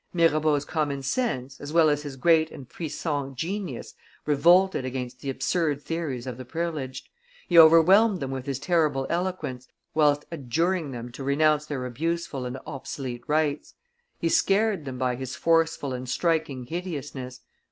Mirabeau's common sense, as well as his great and puissant genius, revolted against the absurd theories of the privileged: he overwhelmed them with his terrible eloquence, whilst adjuring them to renounce their abuseful and obsolete rights; he scared them by his forceful and striking hideousness.